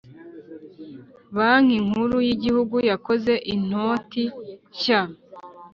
banki nkuru y’igihugu yakoze intoti shya